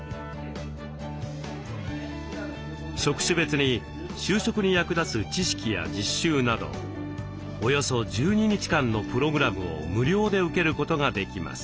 職種別に就職に役立つ知識や実習などおよそ１２日間のプログラムを無料で受けることができます。